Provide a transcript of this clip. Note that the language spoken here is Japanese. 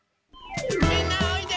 みんなおいで！